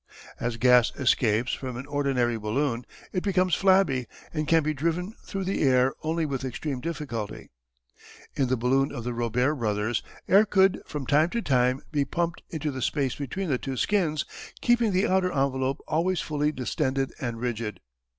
As gas escapes from an ordinary balloon it becomes flabby, and can be driven through the air only with extreme difficulty. In the balloon of the Robert brothers air could from time to time be pumped into the space between the two skins, keeping the outer envelope always fully distended and rigid.